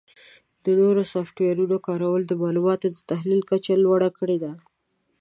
د نوو سافټویرونو کارول د معلوماتو د تحلیل کچه لوړه کړې ده.